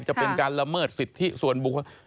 จะเป็นการละเมิดสิทธิส่วนบุคคล